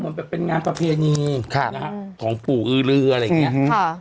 แบบเป็นงานประเพณีของปู่อือลืออะไรอย่างเงี้ยค่ะ